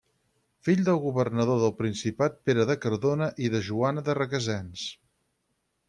Fill del governador del Principat Pere de Cardona i de Joana de Requesens.